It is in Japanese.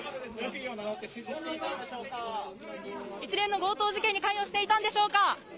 一連の強盗事件に関与していたんでしょうか。